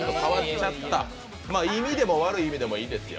まあいい意味でも悪い意味でもいいですよ。